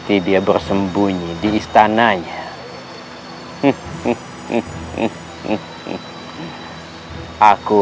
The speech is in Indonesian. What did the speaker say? ya allah semoga kakinya tidak ada apa apa